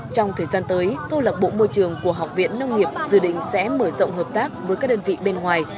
trong thời gian tới câu lạc bộ môi trường của học viện nông nghiệp dự định sẽ mở rộng hợp tác với các đơn vị bên ngoài